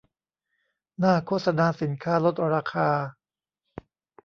หน้าโฆษณาสินค้าลดราคา